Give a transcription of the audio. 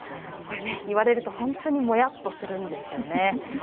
言われると本当にモヤっとするんですよね。